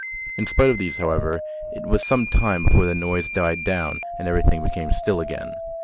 In spite of these, however, it was some time before the noise died down and everything became still again.